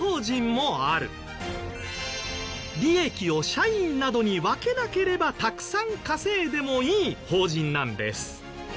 利益を社員などに分けなければたくさん稼いでもいい法人なんです。